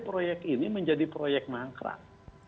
proyek ini menjadi proyek mangkrak